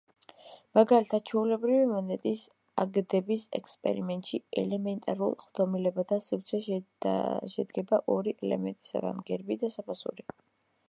მაგალითად, ჩვეულებრივი მონეტის აგდების ექსპერიმენტში ელემენტარულ ხდომილობათა სივრცე შედგება ორი ელემენტისგან: გერბი და საფასური.